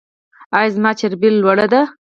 ایا زما چربي لوړه ده؟